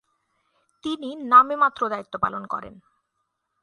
তিনি নামে মাত্র দায়িত্ব পালন করেন।